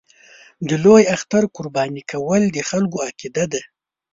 د لوی اختر قرباني کول د خلکو عقیده ده.